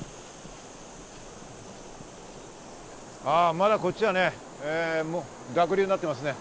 あぁ、まだ、こっちはね、濁流になっていますね。